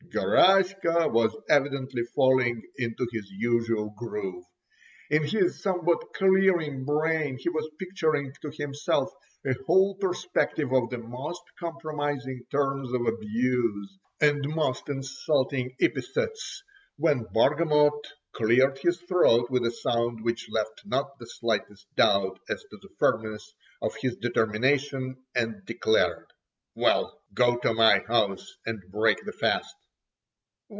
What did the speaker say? Garaska was evidently falling into his usual groove. In his somewhat clearing brain he was picturing to himself a whole perspective of the most compromising terms of abuse, and most insulting epithets, when Bargamot cleared his throat with a sound which left not the slightest doubt as to the firmness of his determination and declared: "We'll go to my house, and break the fast."